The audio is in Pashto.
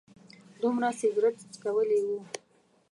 دومره سګرټ څکولي و.